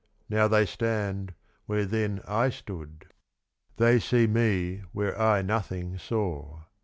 Now they stand, where then I stood; they see me where I nothing saw.